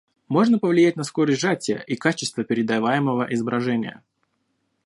Можно повлиять на скорость сжатия и качество передаваемого изображения